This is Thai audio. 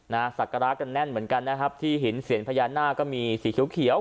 ศักระกันแน่นเหมือนกันนะครับที่หินเสียญพญานาคก็มีสีเขียวเขียว